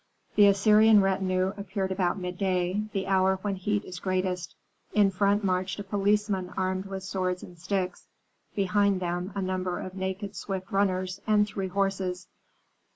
The Assyrian retinue appeared about midday, the hour when heat is greatest. In front marched policemen armed with swords and sticks; behind them a number of naked swift runners, and three horses.